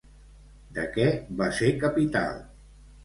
De què va ser capital?